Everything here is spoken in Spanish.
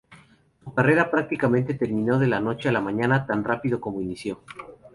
Su carrera prácticamente terminó de la noche a la mañana, tan rápido como inició.